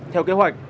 theo kế hoạch